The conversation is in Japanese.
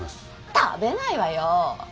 食べないわよ。